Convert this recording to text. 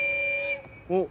おっ。